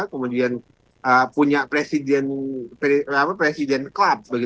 kemudian punya presiden club